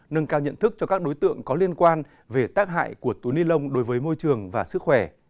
nâng cao nhận thức cho các đối tượng có liên quan về tác hại của túi ni lông đối với môi trường và sức khỏe